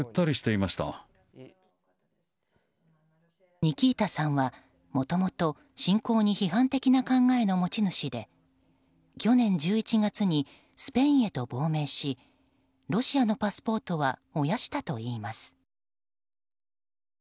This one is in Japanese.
ニキータさんはもともと侵攻に批判的な考えの持ち主で去年１１月にスペインへと亡命しロシアのパスポートは燃やしたといいます。